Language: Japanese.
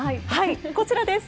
こちらです。